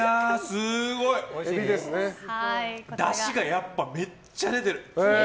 だしがやっぱめっちゃ出てる。